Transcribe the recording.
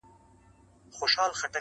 ډېر پخوا په ډېرو لیري زمانو کي-